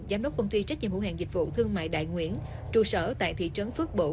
giám đốc công ty trách nhiệm hữu hàng dịch vụ thương mại đại nguyễn trụ sở tại thị trấn phước bộ